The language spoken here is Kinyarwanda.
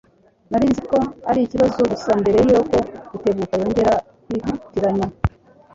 Nari nzi ko ari ikibazo gusa mbere yuko Rutebuka yongera kwitiranya